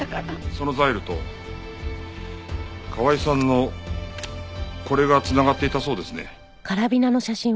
そのザイルと河合さんのこれが繋がっていたそうですね。